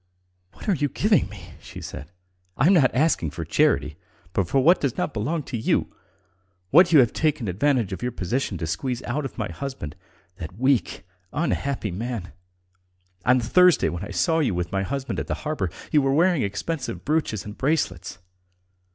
"What are you giving me?" she said. "I am not asking for charity, but for what does not belong to you ... what you have taken advantage of your position to squeeze out of my husband ... that weak, unhappy man. ... On Thursday, when I saw you with my husband at the harbour you were wearing expensive brooches and bracelets.